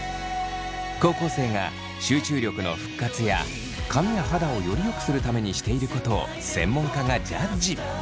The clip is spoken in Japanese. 高校生が集中力の復活や髪や肌をよりよくするためにしていることを専門家がジャッジ。